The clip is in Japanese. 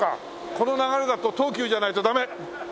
この流れだと東急じゃないとダメ。